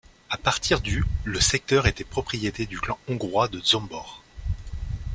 À partir du le secteur était propriété du clan hongrois de Zsombor.